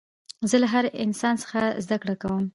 زه له هر انسان څخه زدکړه کوم.